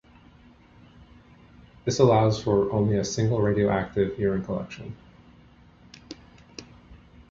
This allows for only a single radioactive urine collection.